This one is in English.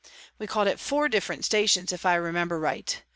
We called at four different stations, if I remember right.